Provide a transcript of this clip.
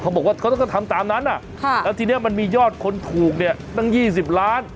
บอกว่าเขาต้องทำตามนั้นแล้วทีนี้มันมียอดคนถูกเนี่ยตั้ง๒๐ล้าน